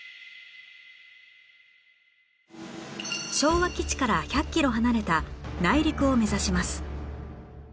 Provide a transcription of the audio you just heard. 昭和基地から１００キロ離れた内陸を目指します